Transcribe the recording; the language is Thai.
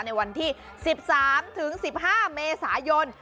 ในวันที่๑๓๑๕เมษายน